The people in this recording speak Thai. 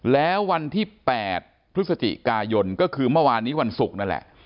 แล้ววันที่๘พฤศจิกายนก็คือเมื่อวานนี้วันศุกร์นั่นแหละ